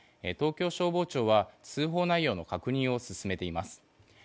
東京都消防庁は通報内容の確認を進めています。